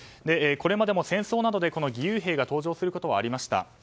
これまでも戦争などで義勇兵が登場することはありました。